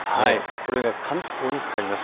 これが関東にかかります。